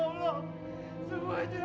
semuanya akan menjadi benar ya allah